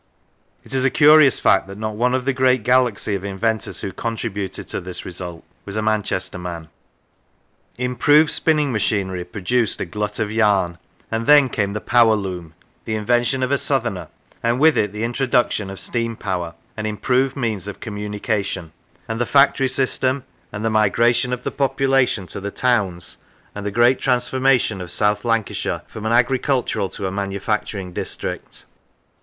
It is a curious fact that not one of the great galaxy of in ventors who contributed to this result was a Manchester man. Improved spinning machinery produced a glut of 112 The Revolution yarn, and then came the power loom, the invention of a southerner, and with it the introduction of steam power, and improved means of communication, and the factory system, and the migration of the population to the towns, and the great transformation of South Lancashire from an agricultural to a manufacturing district.